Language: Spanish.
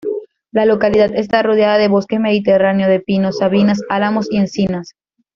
La localidad está rodeada de bosque mediterráneo, de pinos, sabinas, álamos y encinas.